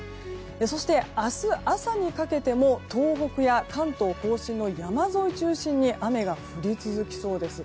そして、明日朝にかけても東北や関東・甲信の山沿いを中心に雨が降り続きそうです。